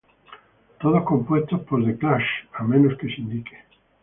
Todos compuestos por The Clash a menos que se indique.